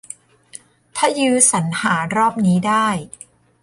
ถ้ายื้อสรรหารอบนี้ได้